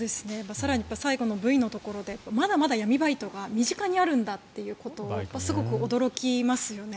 更に、最後のＶのところでまだまだ闇バイトが身近にあるんだということにすごく驚きますよね。